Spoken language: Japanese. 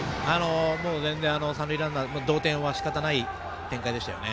全然、三塁ランナー同点はしかたない展開でしたよね。